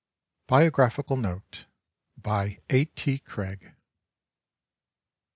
BIOGRAPHICAL NOTE. By A. T. Craig.